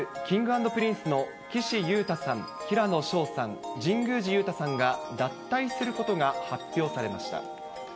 ジャニーズ事務所の人気グループ、Ｋｉｎｇ＆Ｐｒｉｎｃｅの岸優太さん、平野紫耀さん、神宮寺勇太さんが脱退することが発表されました。